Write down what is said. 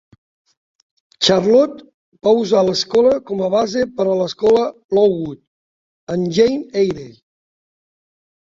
Charlotte va usar l'escola com a base per a l'Escola Lowood en "Jane Eyre".